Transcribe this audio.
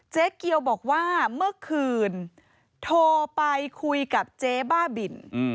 เจ๊เกียวบอกว่าเมื่อคืนโทรไปคุยกับเจ๊บ้าบิน